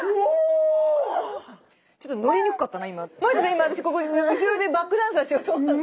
今私ここで後ろでバックダンサーしようと思ってた。